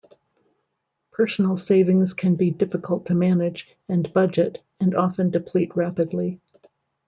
Personal savings can be difficult to manage and budget and often deplete rapidly.